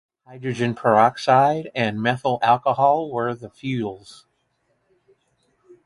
Hydrogen peroxide and methyl alcohol were the fuels.